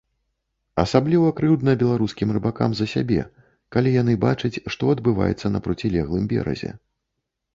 Асабліва крыўдна беларускім рыбакам за сябе, калі яны бачаць, што адбываецца на процілеглым беразе.